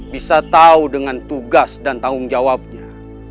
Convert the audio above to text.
bisa tahu dengan tugas dan tanggung jawabnya